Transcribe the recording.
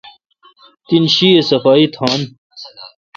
تین شی اؘ صفائی تھان۔